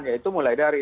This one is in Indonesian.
ya itu mulai dari